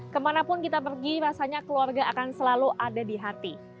kemanapun kita pergi rasanya keluarga akan selalu ada di hati